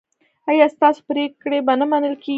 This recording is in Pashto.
ایا ستاسو پریکړې به نه منل کیږي؟